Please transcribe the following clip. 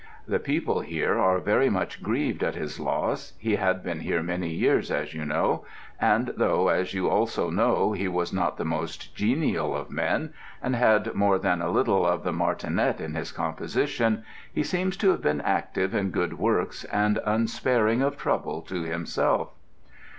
The people here are very much grieved at his loss; he had been here many years, as you know, and though, as you also know, he was not the most genial of men, and had more than a little of the martinet in his composition, he seems to have been active in good works, and unsparing of trouble to himself.